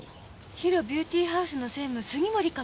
ＨＩＲＯビューティーハウスの専務杉森かも。